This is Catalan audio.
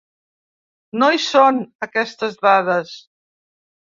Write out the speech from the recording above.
No hi són, aquestes dades.